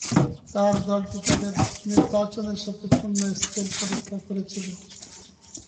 তার দলটি তাদের নির্বাচনের সাথে পূর্ণ-স্কেল পরীক্ষা করেছিল।